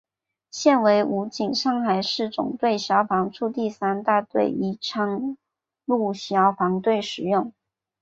现为武警上海市总队消防处第三大队宜昌路消防队使用。